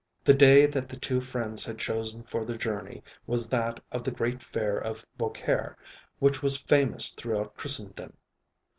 The day that the two friends had chosen for their journey was that of the great fair of Beaucaire, which was famous throughout Christendom.